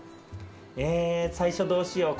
え最初どうしよう